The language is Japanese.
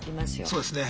そうですね。